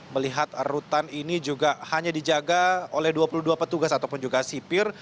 melihat rutan ini juga hanya dijaga oleh dua puluh dua petugas ataupun juga sipir